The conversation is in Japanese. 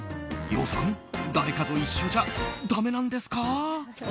羊さん、誰かと一緒じゃだめなんですか？